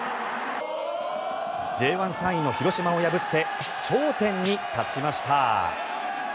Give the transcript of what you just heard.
Ｊ１、３位の広島を破って頂点に立ちました。